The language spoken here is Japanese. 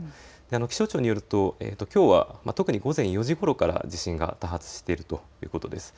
気象庁によるときょうは特に午前４時ごろから地震が多発しているということです。